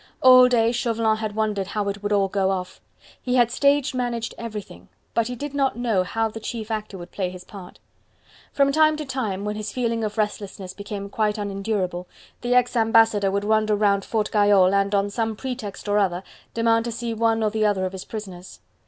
All day Chauvelin had wondered how it would all go off. He had stage managed everything, but he did not know how the chief actor would play his part. From time to time, when his feeling of restlessness became quite unendurable, the ex ambassador would wander round Fort Gayole and on some pretext or other demand to see one or the other of his prisoners.